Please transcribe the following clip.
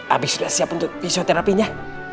habis sudah siap untuk fisioterapi nya